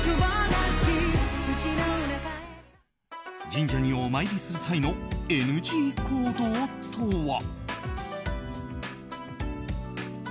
神社にお参りする際のＮＧ行動とは。